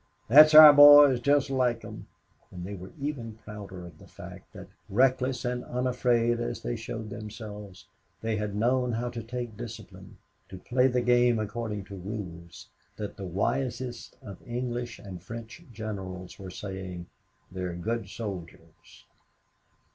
"That's our boys. Just like them!" And they were even prouder of the fact that, reckless and unafraid as they showed themselves, they had known how to take discipline, to play the game according to rules, that the wisest of English and French generals were saying, "They are good soldiers."